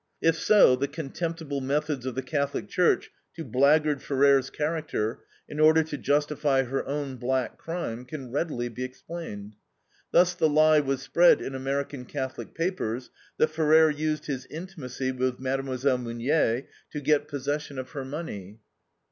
If so, the contemptible methods of the Catholic Church to blackguard Ferrer's character, in order to justify her own black crime, can readily be explained. Thus the lie was spread in American Catholic papers, that Ferrer used his intimacy with Mlle. Meunier to get possession of her money.